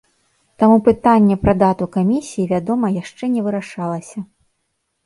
Таму пытанне пра дату камісіі, вядома, яшчэ не вырашалася.